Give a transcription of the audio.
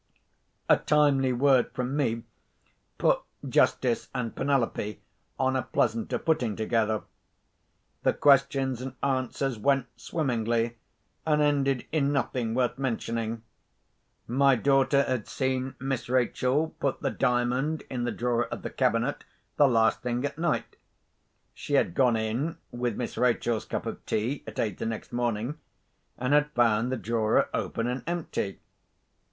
A timely word from me put Justice and Penelope on a pleasanter footing together. The questions and answers went swimmingly, and ended in nothing worth mentioning. My daughter had seen Miss Rachel put the Diamond in the drawer of the cabinet the last thing at night. She had gone in with Miss Rachel's cup of tea at eight the next morning, and had found the drawer open and empty.